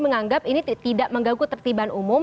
menganggap ini tidak mengganggu tertiban umum